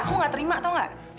aku gak terima tau gak